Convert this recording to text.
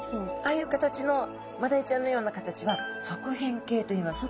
ああいう形のマダイちゃんのような形は側扁形といいます。